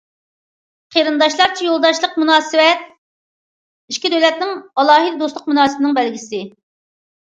« قېرىنداشلارچە يولداش» لىق مۇناسىۋەت ئىككى دۆلەتنىڭ ئالاھىدە دوستلۇق مۇناسىۋىتىنىڭ بەلگىسى.